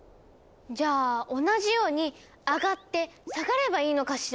じゃあ同じように上がって下がればいいのかしら。